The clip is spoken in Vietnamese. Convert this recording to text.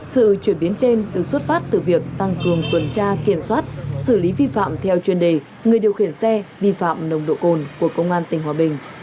sự chuyển biến trên được xuất phát từ việc tăng cường tuần tra kiểm soát xử lý vi phạm theo chuyên đề người điều khiển xe vi phạm nồng độ cồn của công an tỉnh hòa bình